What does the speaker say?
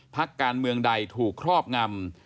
พักการเมืองใดถูกครอบงำ